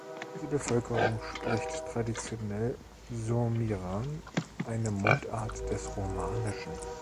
Die Bevölkerung spricht traditionell Surmiran, eine Mundart des Romanischen.